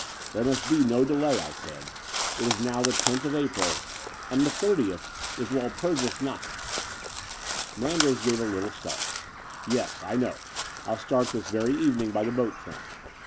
"There must be no delay," I said. "It is now the tenth of April, and the thirtieth is Walpurgis Nachtr Manders gave a little start. "Yes, I know. I'll start this very evening by the boat train.